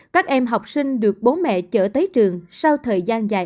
các em học sinh được bố mẹ chở tới trường sau thời gian dài